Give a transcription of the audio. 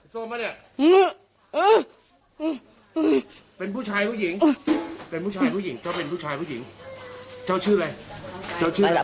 เจ้าเป็นผู้ชายหรือผู้หญิงเจ้าชื่ออะไร